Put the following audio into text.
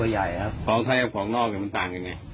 หลอกของไทยกับหลอกหน้ากันมันต่างไง